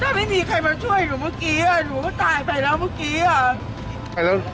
ถ้าไม่มีใครมาช่วยหนูเมื่อกี้อ่ะหนูก็ตายไปแล้วเมื่อกี้อ่ะ